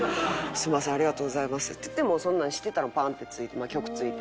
「すみませんありがとうございます」って言ってもうそんなんしてたらパンって局着いて。